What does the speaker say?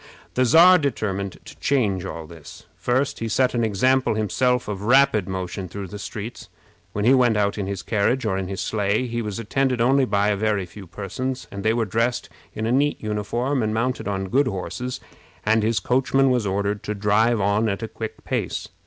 The Czar determined to change all this. First he set an example himself of rapid motion through the streets. When he went out in his carriage or in his sleigh, he was attended only by a very few persons, and they were dressed in a neat uniform and mounted on good horses, and his coachman was ordered to drive on at a quick pace.